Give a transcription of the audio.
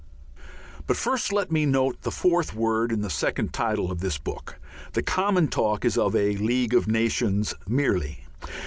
But first let me note the fourth word in the second title of this book. The common talk is of a "League of Nations" merely.